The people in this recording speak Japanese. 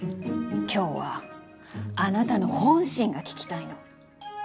今日はあなたの本心が聞きたいの。